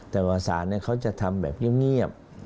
แต่ว่าศาลเขาจะทำแบบเงียบ